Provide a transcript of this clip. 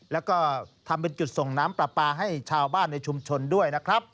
แล้วก็ทำเป็นจุดส่งน้ำปลาปลาให้ชาวบ้านในชุมชนด้วยนะครับ